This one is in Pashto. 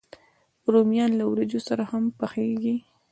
رومیان له وریجو سره هم پخېږي